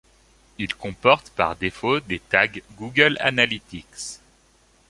Il comporte par défauts des tags Google Analytics.